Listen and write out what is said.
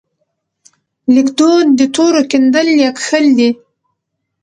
لیکدود د تورو کیندل یا کښل دي.